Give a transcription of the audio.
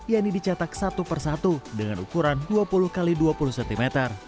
yang dicetak satu persatu dengan ukuran dua puluh x dua puluh cm